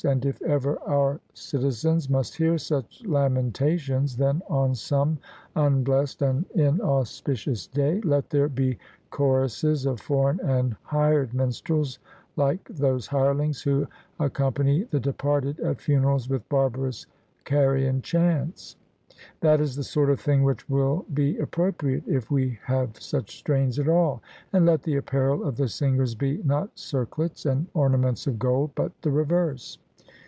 And if ever our citizens must hear such lamentations, then on some unblest and inauspicious day let there be choruses of foreign and hired minstrels, like those hirelings who accompany the departed at funerals with barbarous Carian chants. That is the sort of thing which will be appropriate if we have such strains at all; and let the apparel of the singers be, not circlets and ornaments of gold, but the reverse.